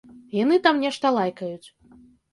Яны там нешта лайкаюць.